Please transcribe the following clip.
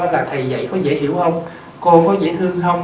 là thầy dạy có dễ hiểu không cô có dễ hương không